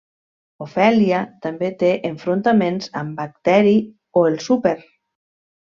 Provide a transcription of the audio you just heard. Ofèlia també té enfrontaments amb Bacteri o el Súper.